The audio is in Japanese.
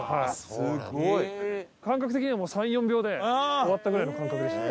すごい！感覚的にはもう３４秒で終わったぐらいの感覚でしたね。